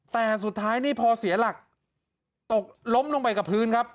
แต่สุดท้ายนี่พอเสียหลักตกล้มลงไปกับพื้นครับ